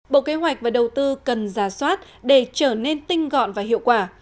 bộ kế hoạch và đầu tư cần giả soát để trở nên tinh gọn và hiệu quả